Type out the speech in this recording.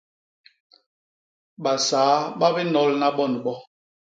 Basaa ba binolna bo ni bo.